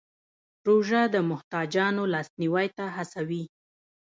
روژه د محتاجانو لاسنیوی ته هڅوي.